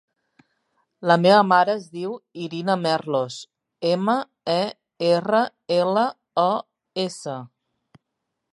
La meva mare es diu Irina Merlos: ema, e, erra, ela, o, essa.